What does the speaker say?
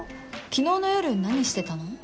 昨日の夜何してたの？